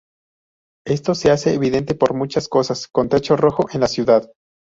Esto se hace evidente por las muchas casas con techo rojo en la ciudad.